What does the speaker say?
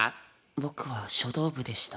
僕は書道部でした。